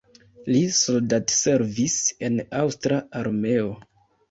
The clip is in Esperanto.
Li soldatservis en aŭstra armeo.